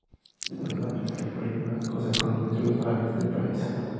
Los machos son polígamos, cosa común entre las aves del paraíso.